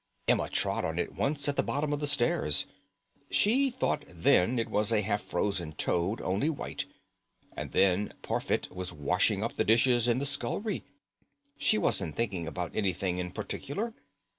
Emma trod on it once at the bottom of the stairs. She thought then it was a half frozen toad, only white. And then Parfit was washing up the dishes in the scullery. She wasn't thinking about anything in particular.